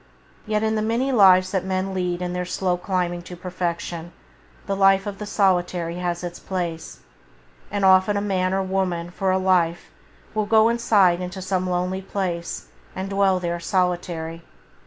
Yet in the many lives that men lead in their slow climbing to perfection, the life of the solitary has its place, and often a man or woman for a life will go aside into some lonely place and dwell there solitary.